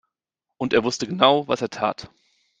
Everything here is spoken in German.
Und er wusste genau, was er tat.